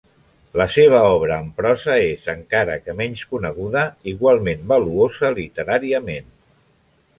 La seva obra en prosa és, encara que menys coneguda, igualment valuosa literàriament.